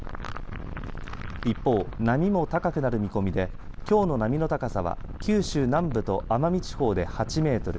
一方、波も高くなる見込みできょうの波の高さは九州南部と奄美地方で８メートル